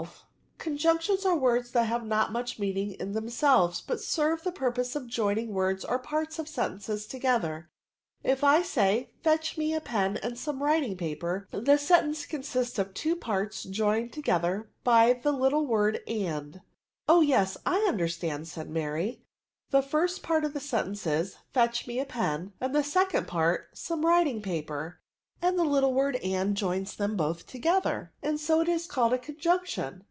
'* Conjunctions are words that have not much meaning in themselveSj but serve the purpose of joining words or parts of sen tences together. If I saj^ ' Fetch me a pen and some writing paper^' the sentence consists of two parts joined together by the little word andJ^ Oh yes, I understand," said Mary, " the first part of the sentence is, * fetch me a pen/ and the second part^ * some writing paper;' and the little word ani joins them both together, and so it is called a conjunc tion.